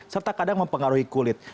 serta kadang mempengaruhi kulit